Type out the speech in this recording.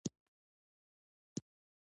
• د ملګرتوب د پياوړتیا لپاره کښېنه.